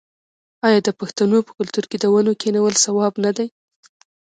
آیا د پښتنو په کلتور کې د ونو کینول ثواب نه دی؟